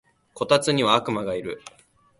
こたつには悪魔がいる